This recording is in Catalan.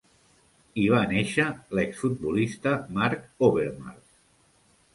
Hi va néixer l'exfutbolista Marc Overmars.